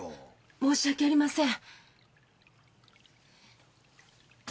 申し訳ありません。